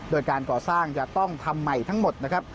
โดยการก่อสร้างจะต้องทำใหม่ทั้งหมดนะครับ